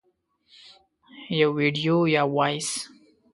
- یو ویډیو یا Voice 🎧